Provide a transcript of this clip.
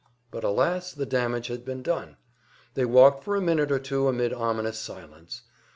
But alas, the damage had been done! They walked for a minute or two amid ominous silence.